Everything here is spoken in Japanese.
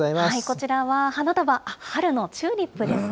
こちらは花束、春のチューリップですね。